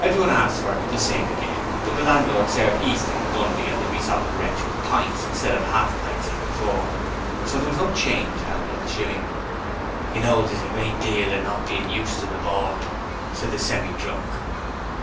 Everyone asked for 'the same again,' but the landlord served Easton, Bundy and the Besotted Wretch with pints instead of half pints as before, so there was no change out of the shilling. 'You know, there's a great deal in not bein' used to the board,' said the Semi drunk.